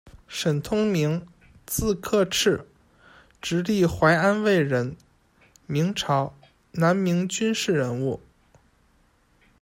沈通明，字克赤，直隶淮安卫人，明朝、南明军事人物。